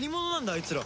あいつら。